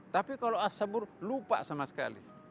tapi kalau as sabur lupa sama sekali